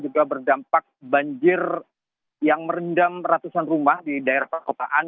juga berdampak banjir yang merendam ratusan rumah di daerah perkotaan